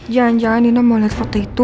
jangan jangan dina mau liat foto itu